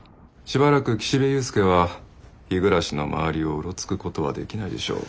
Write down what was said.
しばらく岸辺勇介は日暮の周りをうろつくことはできないでしょう。